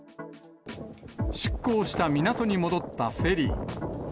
出港した港に戻ったフェリー。